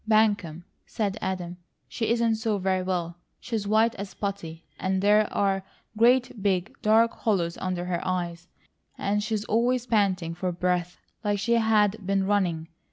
"Buncombe!" said Adam. "She isn't so very well. She's white as putty, and there are great big, dark hollows under her eyes, and she's always panting for breath like she had been running.